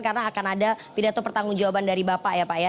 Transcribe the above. karena akan ada pidato pertanggung jawaban dari bapak ya pak ya